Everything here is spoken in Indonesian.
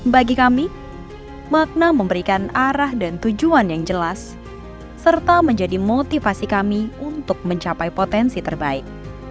bagi kami makna memberikan arah dan tujuan yang jelas serta menjadi motivasi kami untuk mencapai potensi terbaik